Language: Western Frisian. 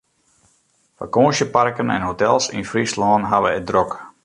Fakânsjeparken en hotels yn Fryslân hawwe it drok.